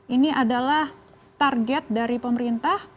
ini adalah target dari pemerintah